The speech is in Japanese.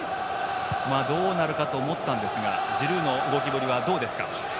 どうなるかと思ったんですがジルーの動きぶりはどうですか？